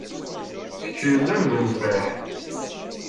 Kečč yellan d unṣiḥ.